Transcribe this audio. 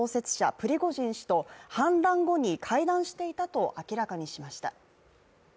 プリゴジン氏と反乱後に会談していたと明らかにしました。